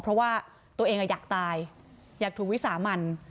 เพราะว่าตัวเองอยากตายอยากถูกวิสามัน